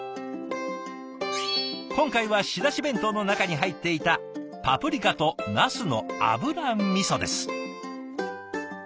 今回は仕出し弁当の中に入っていた「パプリカとなすの油みそ」です。